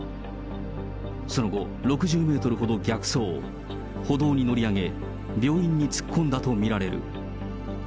その後、６０メートルほど逆走、歩道に乗り上げ、病院に突っ込んだと見られる。